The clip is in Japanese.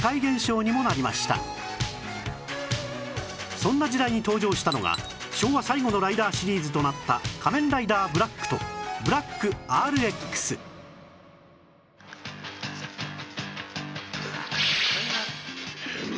そんな時代に登場したのが昭和最後の『ライダー』シリーズとなった『仮面ライダー ＢＬＡＣＫ』と『ＢＬＡＣＫＲＸ』変身！